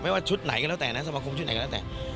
ว่าชุดไหนก็แล้วแต่นะสมาคมชุดไหนก็แล้วแต่